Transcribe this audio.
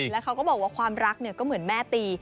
แล้วเขาก็บอกว่าความรักก็เหมือนแม่ตี